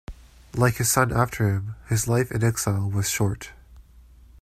Like his son after him, his life in exile was short.